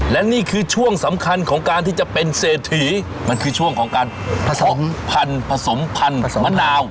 และนี่คือช่วงสำคัญของการที่จะเป็นเศรษฐีมันคือช่วงของการผสมพันธุ์ผสมพันธุ์มะนาว